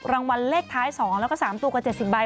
รางวัลเลขท้าย๒แล้วก็๓ตัวกว่า๗๐ใบ